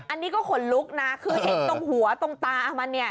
อันนี้ก็ขนลุกนะคือเห็นตรงหัวตรงตามันเนี่ย